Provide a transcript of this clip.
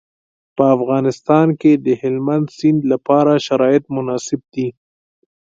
په افغانستان کې د هلمند سیند لپاره شرایط مناسب دي.